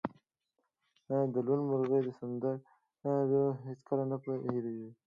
د لوون مرغۍ سندره هیڅکله نه هیریږي